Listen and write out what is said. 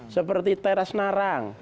seperti teras narang